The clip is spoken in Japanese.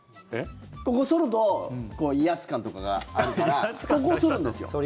ここ剃ると威圧感とかがあるからここを剃るんですよ。